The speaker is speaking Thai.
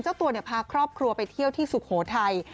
เจ้าตัวพาครอบครัวไปเที่ยวที่สุโขทัย